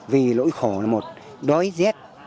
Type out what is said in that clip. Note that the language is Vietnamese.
vì lỗi khổ là một đối diết